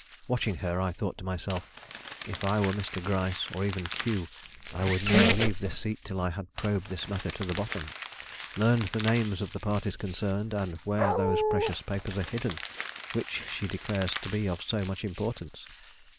Watching her, I thought to myself, "If I were Mr. Gryce, or even Q, I would never leave this seat till I had probed this matter to the bottom, learned the names of the parties concerned, and where those precious papers are hidden, which she declares to be of so much importance."